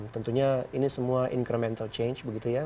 tentunya ini semua encromental change begitu ya